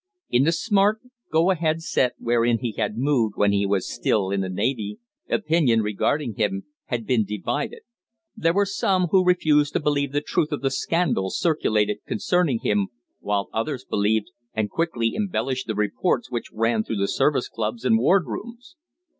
In the smart, go ahead set wherein he had moved when he was still in the Navy opinion regarding him had been divided. There were some who refused to believe the truth of the scandals circulated concerning him, while others believed and quickly embellished the reports which ran through the service clubs and ward rooms.